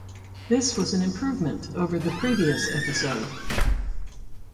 This was an improvement over the previous episode.